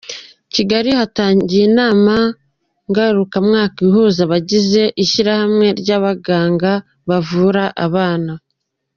Kigali hatangiye inama ngarukamwaka ihuza abagize ishyirahamwe ry’abaganga bavura abana.